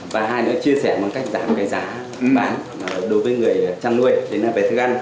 và hai nữa chia sẻ bằng cách giảm cái giá bán đối với người chăn nuôi đến về thức ăn